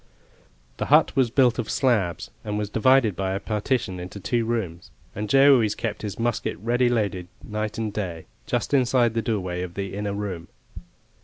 The hut was built of slabs, and was divided by a partition into two rooms, and Joe always kept his musket ready loaded, night and day, just inside the doorway of the inner room.